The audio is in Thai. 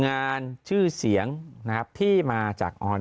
งานชื่อเสียงนะครับที่มาจากออนไลน์นะครับ